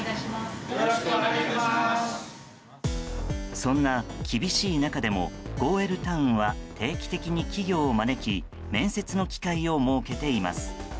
そんな厳しい中でもゴーウェルタウンは定期的に企業を招き面接の機会を設けています。